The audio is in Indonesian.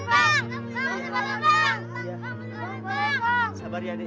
atau dihubungi sama barangnya